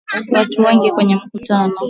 Watu ni wengi kwenye mkutano.